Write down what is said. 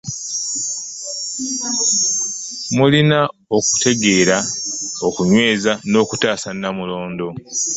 “Mulina okutegeera okunyweza n'okutaasa Nnamulondo"